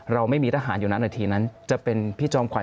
เราไม่มีทหารอยู่นั้นนาทีนั้นจะเป็นพี่จอมขวั